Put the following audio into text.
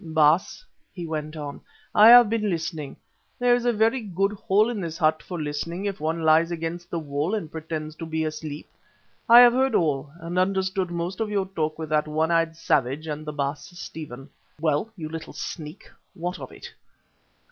"Baas," he went on, "I have been listening there is a very good hole in this hut for listening if one lies against the wall and pretends to be asleep. I have heard all and understood most of your talk with that one eyed savage and the Baas Stephen." "Well, you little sneak, what of it?"